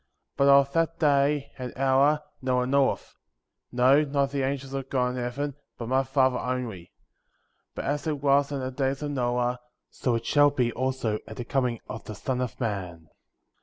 But of that day, and hour, no one knoweth; no, not the angels of God in heaven, but my Father only. 41. But as it was in the days of Noah, so it shall be also at the coming of the Son of Man ; 42.